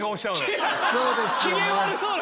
機嫌悪そうな。